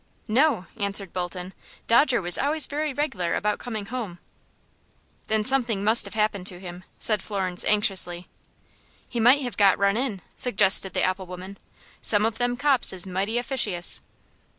"No," answered Bolton. "Dodger was always very regular about comin' home." "Then something must have happened to him," said Florence, anxiously. "He might have got run in," suggested the apple woman. "Some of them cops is mighty officious."